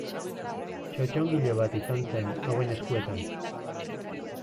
Txotxongilo bat izan zen hauen eskuetan.